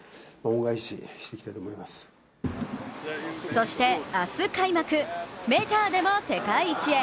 そして明日開幕、メジャーでも世界一へ。